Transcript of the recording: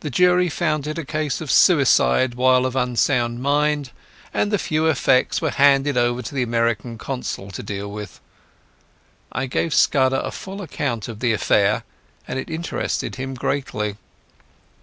The jury found it a case of suicide while of unsound mind, and the few effects were handed over to the American Consul to deal with. I gave Scudder a full account of the affair, and it interested him greatly.